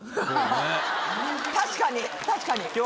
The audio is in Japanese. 確かに確かに。